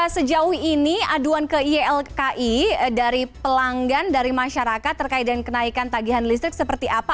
sejauh ini aduan ke ylki dari pelanggan dari masyarakat terkait dengan kenaikan tagihan listrik seperti apa